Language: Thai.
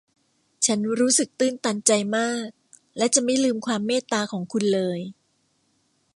ฉันรู้สึกตื้นตันใจมากและจะไม่ลืมความเมตตาของคุณเลย